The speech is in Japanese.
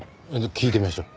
聞いてみましょう。